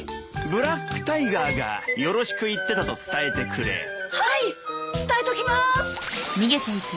ブラックタイガーがよろしく言ってたと伝えてくれ。はいっ！